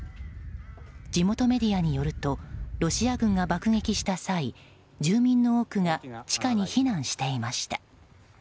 地元メディアによるとロシア軍が爆撃した際住民の多くが地下に避難していました。